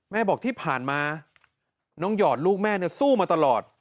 บอกที่ผ่านมาน้องหยอดลูกแม่สู้มาตลอด